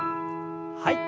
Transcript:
はい。